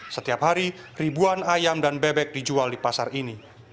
setiap hari ribuan ayam dan bebek dijual di pasar ini